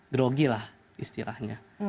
grogi lah istilahnya